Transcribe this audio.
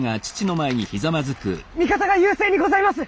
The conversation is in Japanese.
味方が優勢にございます！